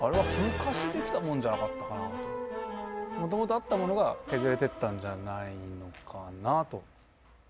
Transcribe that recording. もともとあったものが削れてったんじゃないのかなと。